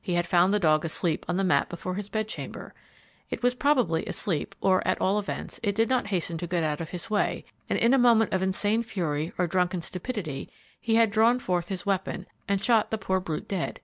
He had found the dog asleep on the mat before his bedchamber. It was probably asleep, or, at all events, it did not hasten to get out of his way, and in a moment of insane fury or drunken stupidity he had drawn forth his weapon, and shot the poor brute dead.